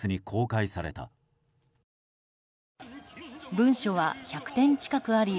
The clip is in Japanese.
文書は１００点近くあり